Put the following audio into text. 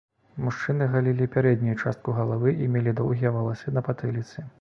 Мужчыны галілі пярэднюю частку галавы і мелі доўгія валасы на патыліцы.